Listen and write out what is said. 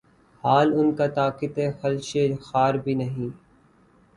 حال آنکہ طاقتِ خلشِ خار بھی نہیں